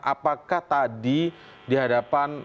apakah tadi dihadapan